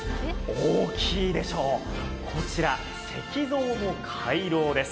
大きいでしょう、こちら石像の回廊です。